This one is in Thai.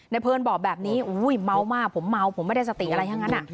ในเพลินบอกแบบนี้อุ้ยเม้าท์มากผมเม้าท์ผมไม่ได้สติอะไรอย่างนั้นอ่ะ